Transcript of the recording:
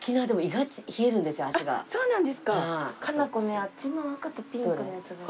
あっちの赤とピンクのやつがいい。